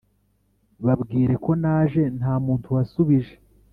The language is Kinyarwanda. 'babwire ko naje, nta muntu wasubije,